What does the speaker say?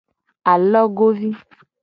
Alogovi.